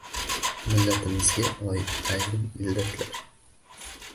Millatimizga oid ayrim illatlar.